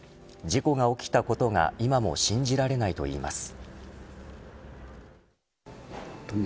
事故が起きたことが今も信じられないと言います。